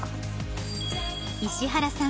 石原さん